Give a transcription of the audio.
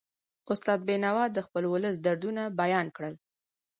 استاد بینوا د خپل ولس دردونه بیان کړل.